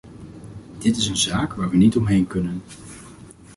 Dit is een zaak waar we niet omheen kunnen.